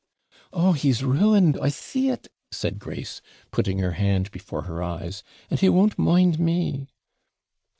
'Oh, he's ruin'd, I see it,' said Grace, putting her hand before her eyes, 'and he won't mind me.'